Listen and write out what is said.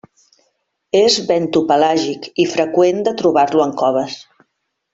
És bentopelàgic i freqüent de trobar-lo en coves.